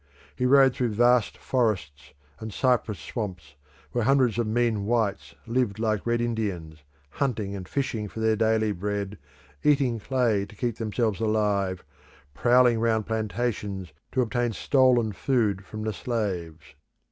He rode through vast forests and cypress swamps, where hundreds of mean whites lived like Red Indians, hunting and fishing for their daily bread, eating clay to keep themselves alive, prowling round plantations to obtain stolen food from the slaves.